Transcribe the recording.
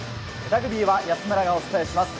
ラグビーは安村がお伝えします。